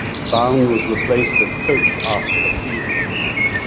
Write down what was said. Baun was replaced as coach after the season.